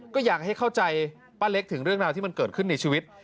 ก็อยากให้เข้าใจป้าเล็กถึงเรื่องราวที่มันเกิดขึ้นในชีวิต